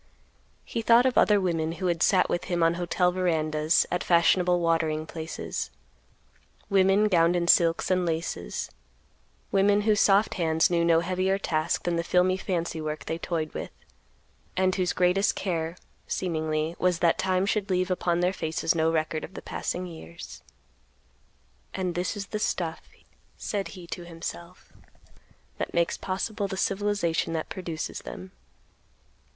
He thought of other women who had sat with him on hotel verandas, at fashionable watering places; women gowned in silks and laces; women whose soft hands knew no heavier task than the filmy fancy work they toyed with, and whose greatest care, seemingly, was that time should leave upon their faces no record of the passing years. "And this is the stuff," said he to himself, "that makes possible the civilization that produces them."